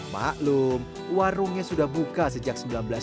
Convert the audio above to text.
maklum warungnya sudah buka sejak seribu sembilan ratus sembilan puluh